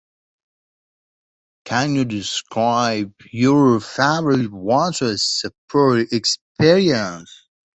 Can you describe your favorite watches experience?